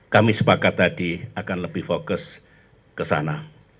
kami sepakat tadi akan lebih fokus ke sana